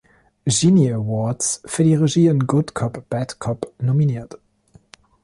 Genie Awards für die Regie in "Good Cop Bad Cop" nominiert.